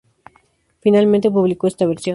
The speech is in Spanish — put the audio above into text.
Finalmente publicó esta versión.